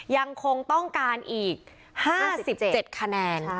ยังคงต้องการอีก๕๗คะแนน